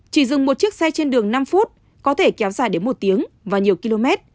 chỉ dừng một chiếc xe trên đường năm phút có thể kéo dài đến một tiếng và nhiều km